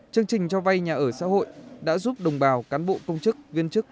chương trình cho vay nhà ở xã hội đã giúp đồng bào cán bộ công chức viên chức